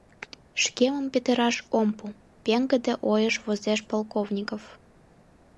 Шкемым петыраш ом пу!» — пеҥгыде ойыш возеш Полковников.